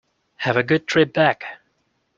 Have a good trip back.